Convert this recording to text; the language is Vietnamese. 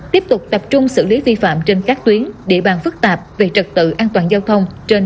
tiếp tục tập trung xử lý vi phạm trên các tuyến địa bàn phức tạp về trật tự an toàn giao thông trên